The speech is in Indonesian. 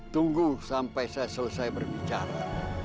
tunggu sampai saya selesai berbicara